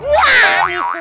barusan kompak lagi